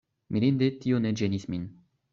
Mirinde tio ne ĝenis min.